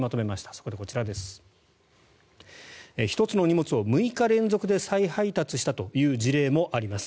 そこでこちら、１つの荷物を６日連続で再配達したという事例もあります。